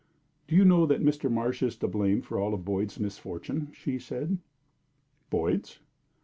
"Do you know that Mr. Marsh is to blame for all of Boyd's misfortune?" she said. "Boyd's?"